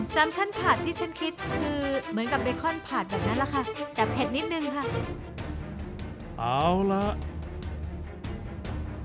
สามชั้นผัดที่ฉันคิดคือเหมือนกับเบคอนผัดแบบนั้นล่ะค่ะ